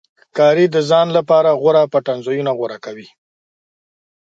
ښکاري د ځان لپاره غوره پټنځایونه غوره کوي.